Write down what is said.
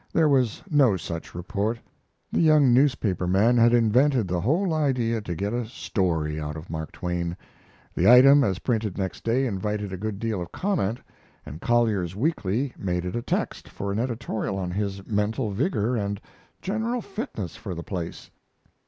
There was no such report. The young newspaper man had invented the whole idea to get a "story" out of Mark Twain. The item as printed next day invited a good deal of comment, and Collier's Weekly made it a text for an editorial on his mental vigor and general fitness for the place.